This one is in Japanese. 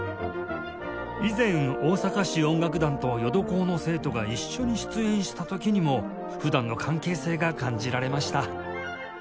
以前大阪市音楽団と淀工の生徒が一緒に出演した時にも普段の関係性が感じられました